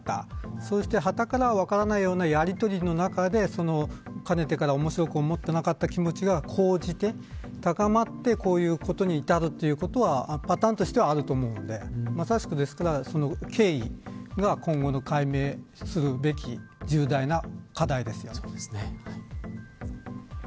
そして、はたからは分からないやり取りの中でかねてから面白く思ってなかった気持ちが高じて高まってこういうことに至るということはパターンとしてあるのでまさしく、経緯が今後の解明すべき重大な課題ですね。